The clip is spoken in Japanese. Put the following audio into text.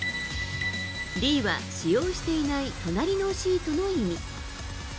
Ｄは、使用していない隣のシートの意味。